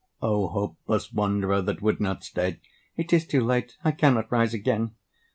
O hopeless wanderer that would not stay, ("It is too late, I cannot rise again!")